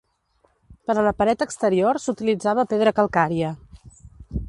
Per a la paret exterior s'utilitzava pedra calcària.